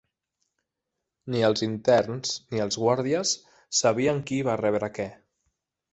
Ni els interns ni els guàrdies sabien qui va rebre què.